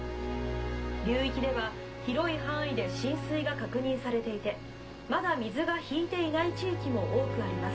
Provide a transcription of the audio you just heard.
流域では広い範囲で浸水が確認されていてまだ水がひいていない地域も多くあります。